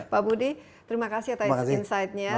pak budi terima kasih atas insight nya